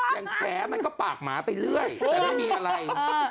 อย่างแผลมันก็ปากหมาไปเรื่อยแต่ไม่มีอะไร